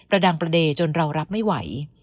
ระดังประเด็นจนเรารับไม่ไหว